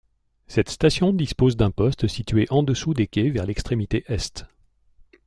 Cette station dispose d'un poste situé en-dessous des quais vers l'extrémité est.